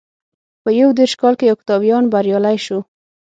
په یو دېرش کال کې اوکتاویان بریالی شو.